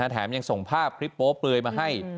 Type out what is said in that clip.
แถมยังส่งภาพคลิปโป๊เปลือยมาให้